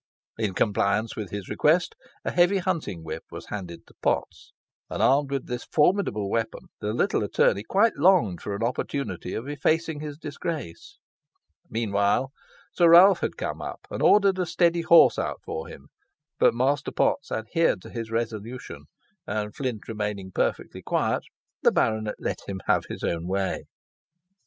In compliance with his request, a heavy hunting whip was handed to Potts, and, armed with this formidable weapon, the little attorney quite longed for an opportunity of effacing his disgrace. Meanwhile, Sir Ralph had come up and ordered a steady horse out for him; but Master Potts adhered to his resolution, and Flint remaining perfectly quiet, the baronet let him have his own way.